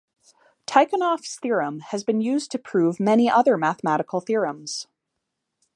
Tychonoff's theorem has been used to prove many other mathematical theorems.